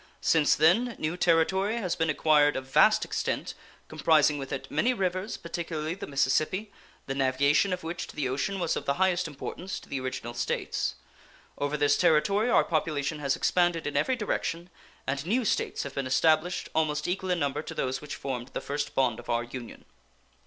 Since then new territory has been acquired of vast extent, comprising within it many rivers, particularly the Mississippi, the navigation of which to the ocean was of the highest importance to the original States. Over this territory our population has expanded in every direction, and new States have been established almost equal in number to those which formed the first bond of our Union.